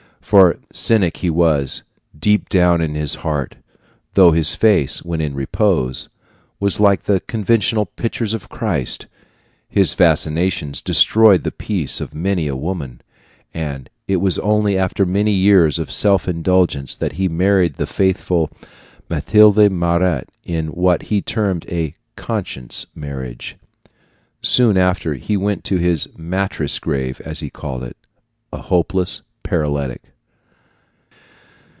For cynic he was, deep down in his heart, though his face, when in repose, was like the conventional pictures of Christ. His fascinations destroyed the peace of many a woman; and it was only after many years of self indulgence that he married the faithful Mathilde Mirat in what he termed a "conscience marriage." Soon after he went to his "mattress grave," as he called it, a hopeless paralytic.